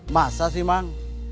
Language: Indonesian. masa sih mak